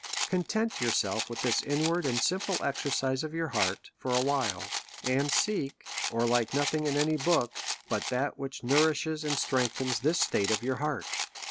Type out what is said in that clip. Content yourself with this inward and sim ple exercise of your heart, for a while ; and seek, or like nothing in any book, but that which nourishes and strengthens this state of your heart.